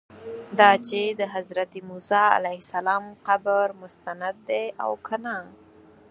دا چې د حضرت موسی علیه السلام قبر مستند دی او که نه.